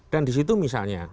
dan disitu misalnya